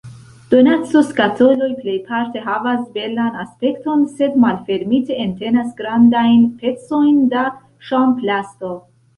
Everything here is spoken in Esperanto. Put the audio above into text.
Donacoskatoloj plejparte havas belan aspekton, sed malfermite, entenas grandajn pecojn da ŝaŭmplasto.